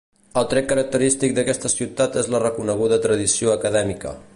El tret característic d'aquesta ciutat és la reconeguda tradició acadèmica.